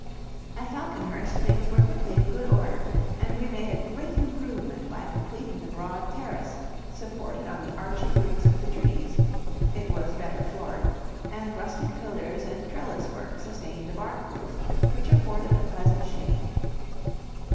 At Falconhurst things were quickly in good order, and we made a great improvement by completing the broad terrace supported on the arching roots of the trees it was better floored and rustic pillars and trellis work sustained a bark roof which afforded a pleasant shade.